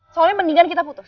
soalnya mendingan kita putus